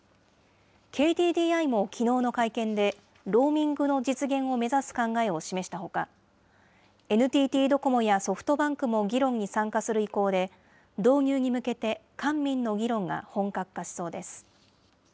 ＫＤＤＩもきのうの会見で、ローミングの実現を目指す考えを示したほか、ＮＴＴドコモやソフトバンクも議論に参加する意向で、導入に向けて、官民の議論が本格化しそうです。